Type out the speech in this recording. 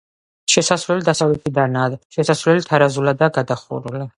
შესასვლელი დასავლეთიდანაა, შესასვლელი თარაზულადაა გადახურული.